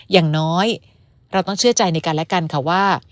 อย่างน้อยเราต้องเชื่อใจในกันและกันค่ะว่า